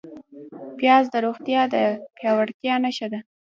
پیاز د روغتیا د پیاوړتیا نښه ده